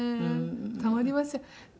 たまりません！